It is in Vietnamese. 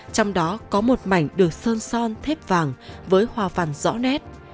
trong đó có một mảnh được sơn son thép vàng với hoa phàn rõ nét